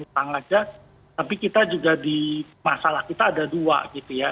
tapi kita juga di masalah kita ada dua gitu ya